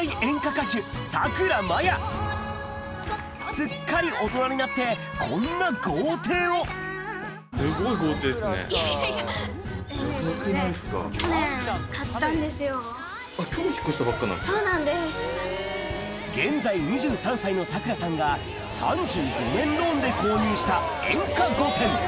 すっかり大人になってこんな豪邸を現在２３歳のさくらさんが３５年ローンで購入した演歌御殿